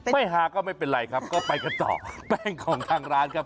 ฮาก็ไม่เป็นไรครับก็ไปกันต่อแป้งของทางร้านครับ